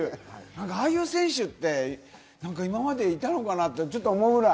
ああいう選手って今まではいたのかな？ってちょっと思うぐらい。